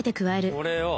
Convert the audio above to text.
これを。